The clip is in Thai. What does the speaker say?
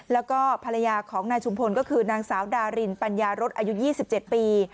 แล้วก็ภรรยาของนายชุมพลก็คือนางสาวดารินปัญญารสอายุ๒๗ปี